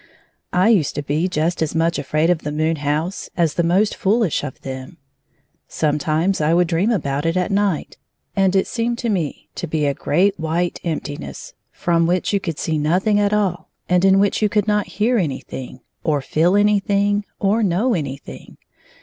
I used to be just as much afraid of tlie 4+ moon house as the most foolish of them. Some times I would dream about it at night, and it seemed to me to be a great white emptiness, from which you could see nothing at all, and in which you could not hear anything, or feel anything, or know anything.